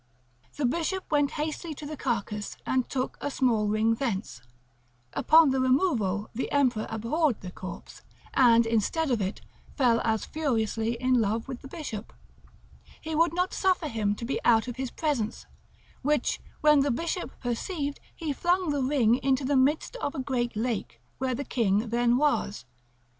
The bishop went hastily to the carcass, and took a small ring thence; upon the removal the emperor abhorred the corpse, and, instead of it, fell as furiously in love with the bishop, he would not suffer him to be out of his presence; which when the bishop perceived, he flung the ring into the midst of a great lake, where the king then was.